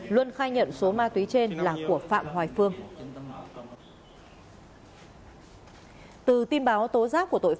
luân khai nhận số ma túy trên là của phạm hoài phương